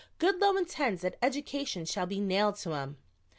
Goodloe intends that education shall be nailed to 'em."